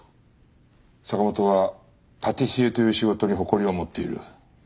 坂元はパティシエという仕事に誇りを持っている。